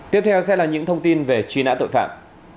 tiếp theo sẽ là những thông tin về truy nã tội phạm